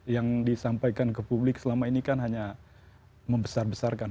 yang disampaikan ke publik selama ini kan hanya membesar besarkan